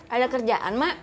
ada kerjaan mak